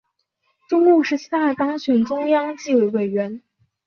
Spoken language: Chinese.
中共十七大当选中央纪委委员。